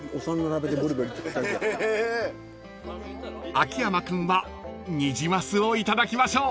［秋山君はニジマスをいただきましょう］